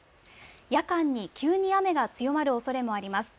夜間に急に雨が強まるおそれもあります。